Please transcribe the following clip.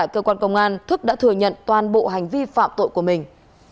cơ quan công an thức đã thừa nhận toàn bộ hành vi phạm tội của mình